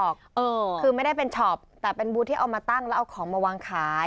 คือไม่ได้เป็นช็อปแต่เป็นบูธที่เอามาตั้งแล้วเอาของมาวางขาย